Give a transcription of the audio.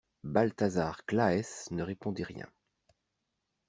Balthazar Claës ne répondit rien.